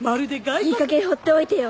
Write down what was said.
いいかげんほっておいてよ！